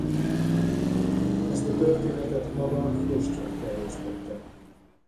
Ezt a történetet maga Hruscsov terjesztette.